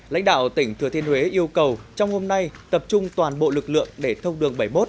lãnh đạo tỉnh thừa thiên huế yêu cầu trong hôm nay tập trung toàn bộ lực lượng để thông đường bảy mươi một